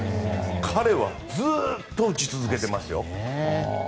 彼はずっと打ち続けてますよ。